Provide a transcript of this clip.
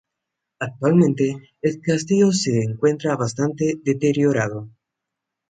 Actualmente, el castillo se encuentra bastante deteriorado.